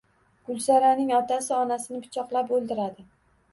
Gulsaraning otasi onasini pichoqlab o‘ldiradi